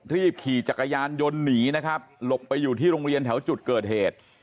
รีบขี่จักรยานยนต์หนีนะครับหลบไปอยู่ที่โรงเรียนแถวจุดเกิดเหตุ